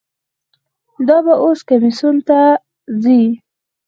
دا به اوس کمیسیون ته ځي.